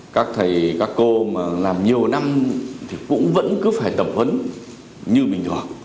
các thầy các cô mà làm nhiều năm thì cũng vẫn cứ phải tập huấn như bình thường